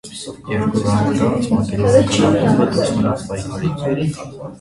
Երկու ռաունդ անց մակեդոնական ակումբը դուրս մնաց պայքարից։